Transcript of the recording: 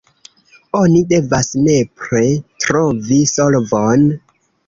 Oni devas nepre trovi solvon.